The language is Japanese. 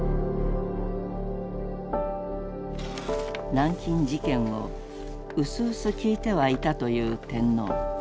南京事件を「ウスウス聞いてはゐた」と言う天皇。